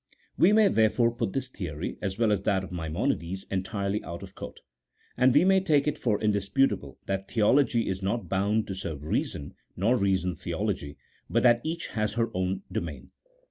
We may, therefore, put this theory, as well as that of Maimonides, entirely out of court; and we may take it for indisputable that theology is not bound to serve rea son, nor reason theology, but that each has her own domain.